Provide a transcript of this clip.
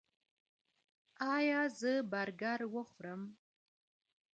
ایا زه برګر وخورم؟